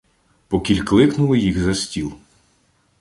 Покіль кликнули їх за стіл.